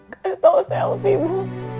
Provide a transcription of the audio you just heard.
kasih tau selfie bu